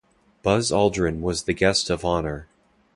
Buzz Aldrin was the guest of honour.